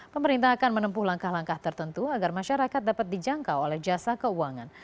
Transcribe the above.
pemerintah akan menempuh langkah langkah tertentu agar masyarakat dapat dijangkau oleh jasa keuangan